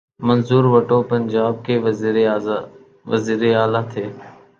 منظور وٹو پنجاب کے وزیر اعلی تھے۔